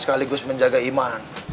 sekaligus menjaga iman